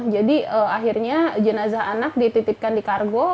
jadi akhirnya jenazah anak dititipkan di kargo